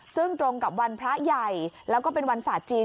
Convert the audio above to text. ซึ่งตรงกับวันพระใหญ่แล้วก็เป็นวันศาสตร์จีน